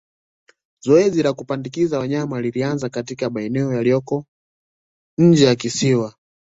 Zoezi la kupandikiza wanyama lilianza katika maeneo yaliyoko nje ya kisiwa